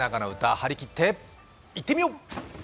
張り切っていってみよう！